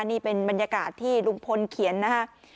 นี่เป็นบรรยากาศที่ลุงพลเขียนนะครับ